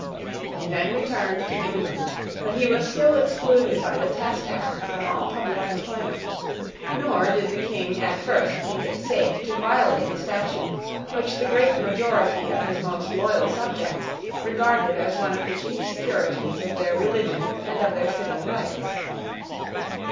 He then returned to England: but he was still excluded by the Test Act from all public employment; nor did the King at first think it safe to violate a statute which the great majority of his most loyal subjects regarded as one of the chief securities of their religion and of their civil rights.